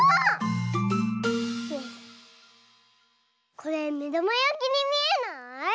これめだまやきにみえない？